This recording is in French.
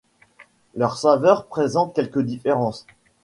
Leurs saveurs présentent quelques différences.